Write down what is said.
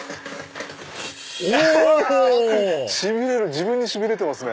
自分にしびれてますね！